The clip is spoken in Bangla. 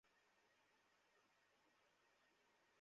আমি তোমার সন্ধ্যাটা নষ্ট করতে চাইনা।